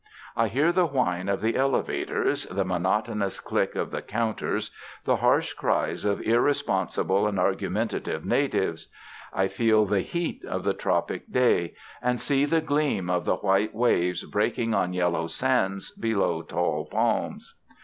I hear the whine of the elevators, the monotonous click of the counters, the harsh cries of irresponsible and argumentative natives. I feel the heat of the tropic day, and see the gleam of the white waves breaking on yellow sands below tall palms.